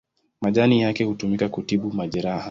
Majani yake hutumika kutibu majeraha.